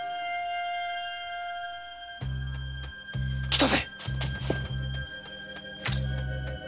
来たぜ！